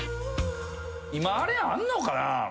今あれあんのかな？